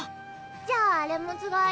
じゃああれもつがい？